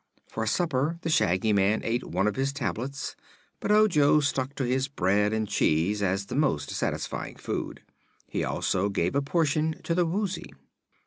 For supper the Shaggy Man ate one of his tablets, but Ojo stuck to his bread and cheese as the most satisfying food. He also gave a portion to the Woozy.